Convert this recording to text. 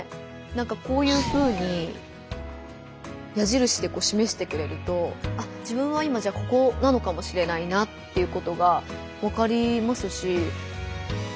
こういうふうに矢じるしでしめしてくれるとあっ自分は今じゃあここなのかもしれないなということがわかりますし。